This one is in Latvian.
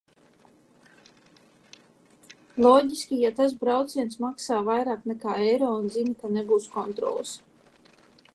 Loģiski, ja tas brauciens maksā vairāk nekā eiro un zini, ka nebūs kontroles...